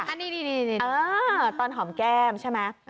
อันนี้ตอนหอมแก้มใช่ไหม